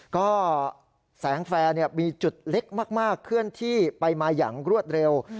ก็แสงแฟร์มีจุดเล็กมากเคลื่อนที่ไปมาอย่างรวดเร็ว